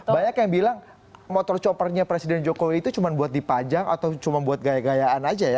banyak yang bilang motor choppernya presiden jokowi itu cuma buat dipajang atau cuma buat gaya gayaan aja ya